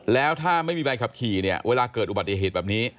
แล้วถ้าไม่มีใบขับขี่เนี่ยเวลาเกิดอุบัติเหตุแบบนี้